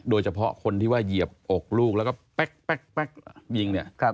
โดยเฉพาะคนที่ว่าเหยียบอกลูกแล้วก็แป๊กยิงเนี่ย